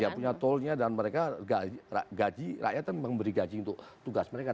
iya punya tools nya dan mereka gaji rakyat kan memberi gaji untuk tugas mereka